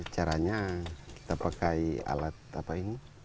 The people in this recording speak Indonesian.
caranya kita pakai alat apa ini